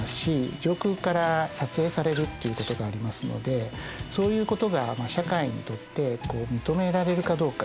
上空から撮影されるということがありますのでそういうことが社会にとって認められるかどうか。